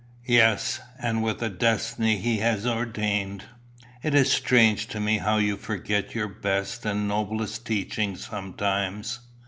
Yes, and with a destiny he had ordained. It is strange to me how you forget your best and noblest teaching sometimes.